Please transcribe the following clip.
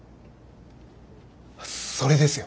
それですよ。